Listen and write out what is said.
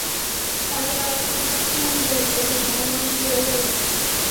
তার বাবার নাম ওসমান গণি এবং মায়ের নাম ফিরোজা বেগম।